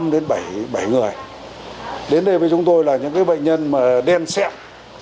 năm đến bảy người đến đây với chúng tôi là những cái bệnh nhân mà đen xẹp